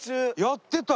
やってた！